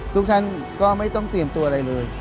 ทุกท่านก็ไม่ต้องเตรียมตัวอะไรเลย